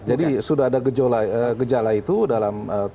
jadi sudah ada gejala itu dalam